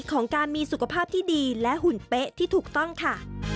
ของการมีสุขภาพที่ดีและหุ่นเป๊ะที่ถูกต้องค่ะ